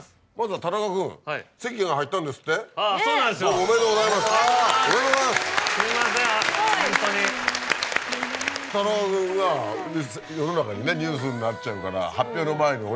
田中君が世の中にねニュースになっちゃうから。